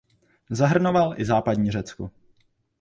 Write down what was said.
Zahrnoval i západní Řecko.